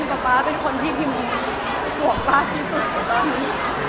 เอาจริงกับป๊าเป็นคนที่พิมห่วงรักที่สุดในตอนนี้